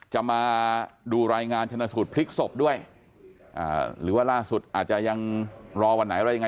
จะมาดูรายงานชนะสูตรพลิกศพด้วยหรือว่าล่าสุดอาจจะยังรอวันไหนอะไรยังไง